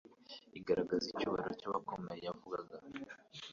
igaragaza icyubahiro cy'abakomeye bayavugaga